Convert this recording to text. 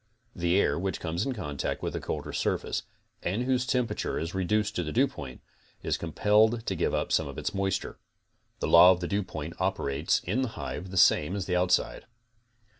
The air which comes in contact with the colder surface, and whose temperature is reduced to the dewpoint, is compelled to give up some of its moisture. The law of the dewpoint operates in the hive the same as cutside.